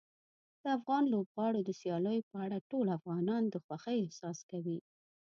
د افغان لوبغاړو د سیالیو په اړه ټول افغانان د خوښۍ احساس کوي.